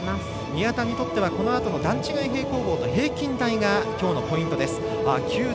宮田にとってはこのあとの段違い平行棒と平均台がきょうのポイントです。